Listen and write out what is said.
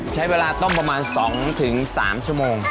ใช้เวลาต้มประมาณ๒๓ชั่วโมง